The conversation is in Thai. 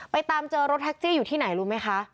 ตามเจอรถแท็กซี่อยู่ที่ไหนรู้ไหมคะ